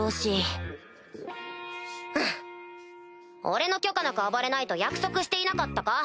俺の許可なく暴れないと約束していなかったか？